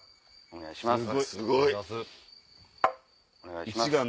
お願いします！